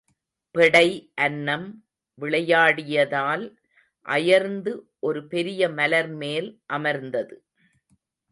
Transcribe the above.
பெடை அன்னம் விளையாடியதால் அயர்ந்து ஒரு பெரிய மலர் மேல் அமர்ந்தது.